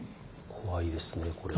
怖いですね、これは。